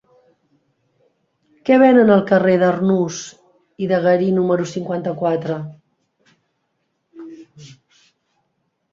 Què venen al carrer d'Arnús i de Garí número cinquanta-quatre?